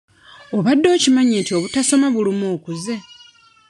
Obadde okimanyi nti obutasoma buluma okuze?